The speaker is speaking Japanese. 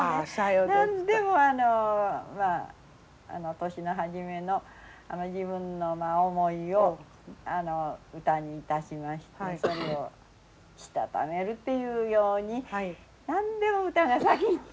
何でも年の初めの自分の思いを歌にいたしましてそれをしたためるっていうように何でも歌が先に来ますの。